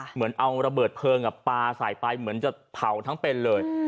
เหมือนเอาระเบิดเพลิงปลาใส่ไปเหมือนจะเผาทั้งเป็นเลย